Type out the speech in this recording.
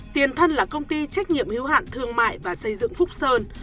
tiền thân là công ty trách nhiệm hiếu hạn thương mại và xây dựng phúc sơn